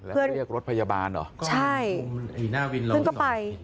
แล้วเรียกรถพยาบาลเหรอใช่เพื่อนก็ไป